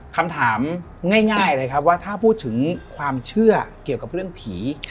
คำถามง่ายเลยครับว่าถ้าพูดถึงความเชื่อเกี่ยวกับเรื่องผี